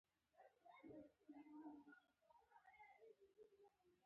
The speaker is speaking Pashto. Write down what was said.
ما ورته وویل چې فکر نه کوم دا زموږ وي